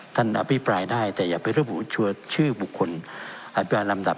อภิปรายได้แต่อย่าไประบุชัวร์ชื่อบุคคลอัตราลำดับ